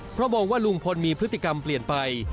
เพราะมองว่าลุงพลมีพฤติกรรมเปลี่ยนไป